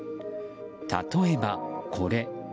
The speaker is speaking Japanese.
例えば、これ。